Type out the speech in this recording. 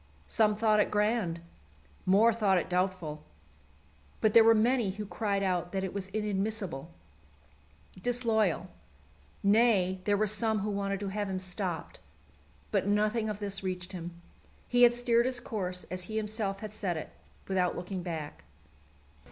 Some thought it grand; more thought it doubtful; but there were many who cried out that it was inadmissible, disloyal nay, there were some who wanted to have him stopped. But nothing of this reached him. He had steered his course as he himself had set it, without looking back.